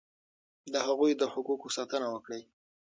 د هغوی د حقوقو ساتنه وکړئ.